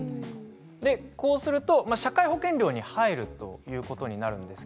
こうすると社会保険料に入るということなんです。